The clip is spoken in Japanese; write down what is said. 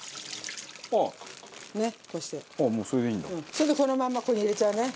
それでこのままここに入れちゃうね。